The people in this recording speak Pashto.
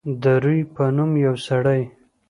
د روي په نوم یو سړی.